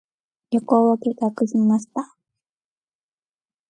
旅行を計画しました。